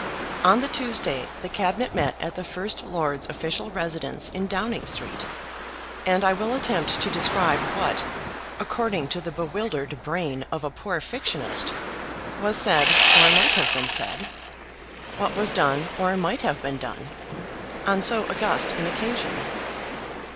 On the Tuesday the Cabinet met at the First Lord's official residence in Downing Street, and I will attempt to describe what, according to the bewildered brain of a poor fictionist, was said or might have been said, what was done or might have been done, on so august an occasion.